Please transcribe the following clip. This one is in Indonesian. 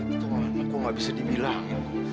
itu mah aku gak bisa dibilang